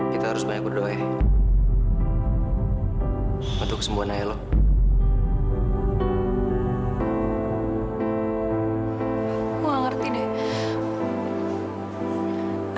gue gak ngerti deh